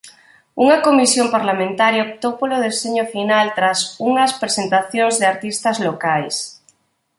Unha comisión parlamentaria optou polo deseño final tras unhas presentacións de artistas locais.